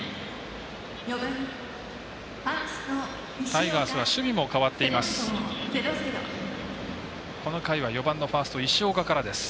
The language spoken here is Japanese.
タイガースは守備も変わっています。